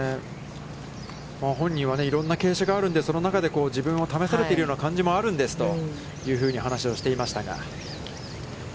本人は、いろんな傾斜があるのでその中で自分を試されているような感じもあるんですと、話をしていましたが。